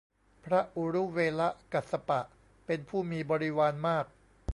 พระอุรุเวลกัสสปะ เป็นผู้มีบริวารมาก